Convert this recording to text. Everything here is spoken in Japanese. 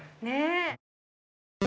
ねえ。